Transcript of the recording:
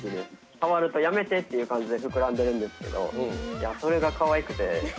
触るとやめて！っていう感じで膨らんでるんですけどそれがあれっていえ